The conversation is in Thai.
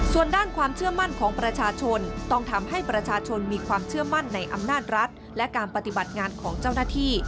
ส่วนด้านความเชื่อมั่นของประชาชนต้องทำให้ประชาชนมีความเชื่อมั่นในอำนาจรัฐและการปฏิบัติงานของเจ้าหน้าที่